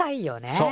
そう。